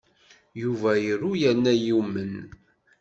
Yuba iru yerna yumen.